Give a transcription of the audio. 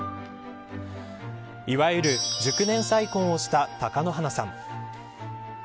いわゆる熟年再婚をした貴乃花さん。